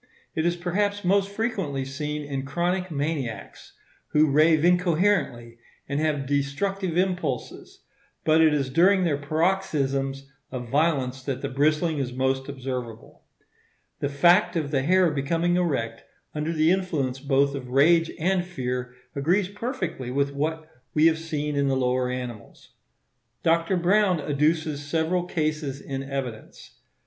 It is perhaps most frequently seen in chronic maniacs, who rave incoherently and have destructive impulses; but it is during their paroxysms of violence that the bristling is most observable. The fact of the hair becoming erect under the influence both of rage and fear agrees perfectly with what we have seen in the lower animals. Dr. Browne adduces several cases in evidence.